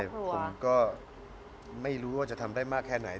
ผมก็ไม่รู้ว่าจะทำได้มากแค่ไหน